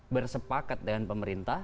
bersepakat dengan pemerintah